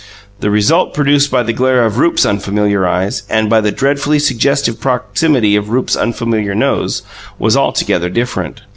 The result produced by the glare of Rupe's unfamiliar eyes, and by the dreadfully suggestive proximity of Rupe's unfamiliar nose, was altogether different.